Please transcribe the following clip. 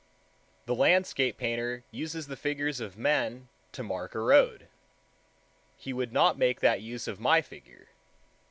The landscape painter uses the figures of men to mark a road. He would not make that use of my figure.